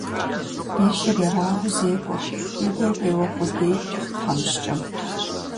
И лъыр ерагъыу зекӀуэрт, и гур къеуэ къудейт тхьэмыщкӀэм.